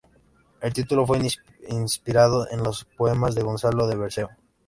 El título está inspirado en los poemas de Gonzalo de Berceo.